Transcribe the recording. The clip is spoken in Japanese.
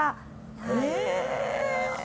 へえ。